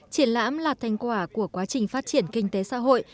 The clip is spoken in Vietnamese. triển lãm là thành quả của quá trình phát triển kinh tế xã hội